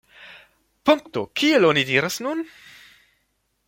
Punkto, kiel oni diras nun!